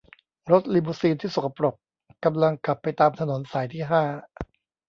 รถลีมูซีนที่สกปรกกำลังขับไปตามถนนสายที่ห้า